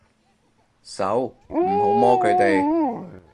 手，唔好摸佢哋